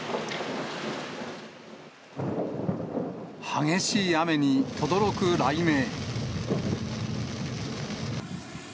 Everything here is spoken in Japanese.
激しい雨にとどろく雷鳴。